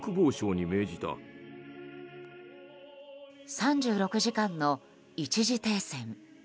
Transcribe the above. ３６時間の一時停戦。